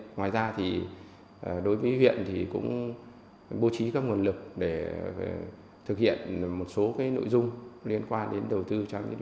ngoài ra thì đối với huyện thì cũng bố trí các nguồn lực để thực hiện một số nội dung liên quan đến đầu tư